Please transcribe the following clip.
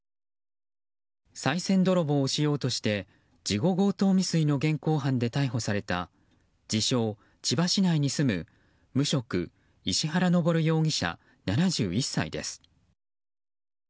さい銭泥棒をしようとして事後強盗未遂の疑いで現行犯で逮捕された自称、千葉市内に住む無職・石原登容疑者、７１歳です。